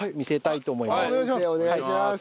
お願いします。